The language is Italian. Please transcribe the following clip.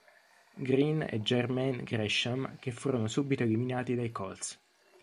Green e Jermaine Gresham, che furono subito eliminati dai Colts.